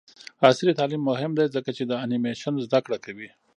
عصري تعلیم مهم دی ځکه چې د انیمیشن زدکړه کوي.